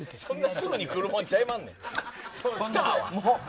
すぐ来るものちゃいまんねん。